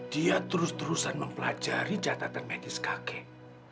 dia terus terusan mempelajari catatan medis kakek